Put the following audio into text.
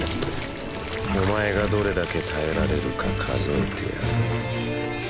お前がどれだけ耐えられるか数えてやる。